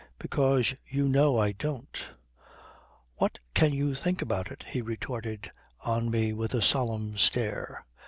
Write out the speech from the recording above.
"Because you know I don't." "What can you think about it," he retorted on me with a solemn stare.